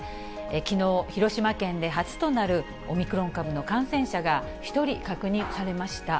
きのう、広島県で初となる、オミクロン株の感染者が１人確認されました。